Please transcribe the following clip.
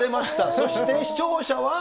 そして視聴者は？